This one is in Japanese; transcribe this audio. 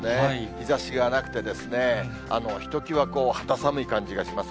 日ざしがなくて、ひときわ肌寒い感じがします。